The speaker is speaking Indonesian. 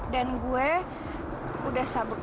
dan gue udah sabuk gitu